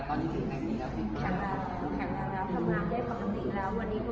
ตอนที่ได้ได้การทำงานจากวิทยาลัยจะหลุดห่วงหรือเรียก